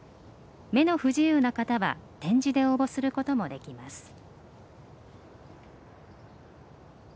目の不自由な方は点字で応募することもできます。